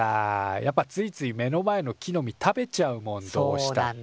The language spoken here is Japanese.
やっぱついつい目の前の木の実食べちゃうもんどうしたって。